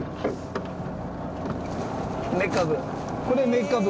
めかぶ。